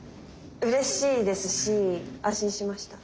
うれしいですし安心しました。